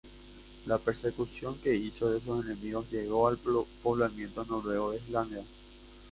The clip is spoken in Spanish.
La persecución que hizo de sus enemigos llevó al poblamiento noruego de Islandia.